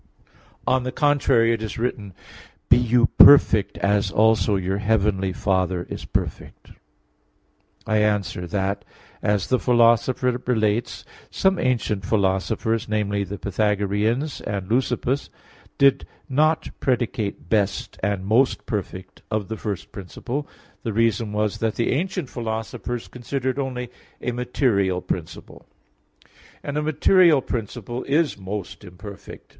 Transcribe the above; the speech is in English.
On the contrary, It is written: "Be you perfect as also your heavenly Father is perfect" (Matt. 5:48). I answer that, As the Philosopher relates (Metaph. xii), some ancient philosophers, namely, the Pythagoreans and Leucippus, did not predicate "best" and "most perfect" of the first principle. The reason was that the ancient philosophers considered only a material principle; and a material principle is most imperfect.